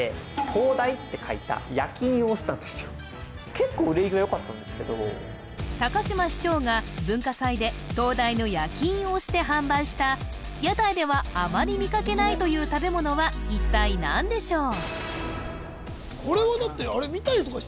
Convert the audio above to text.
結構高島市長が文化祭で東大の焼印を押して販売した屋台ではあまり見かけないという食べ物は一体何でしょう